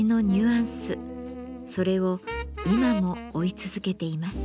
それを今も追い続けています。